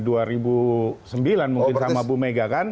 dua ribu sembilan mungkin sama bu mega kan